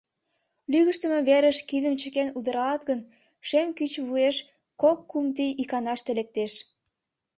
Лӱгыштымӧ верыш кидым чыкен удыралат гын, шем кӱч вуеш кок-кум тий иканаште лектеш...